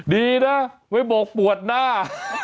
ดีนะไม่บอกปวดหน้า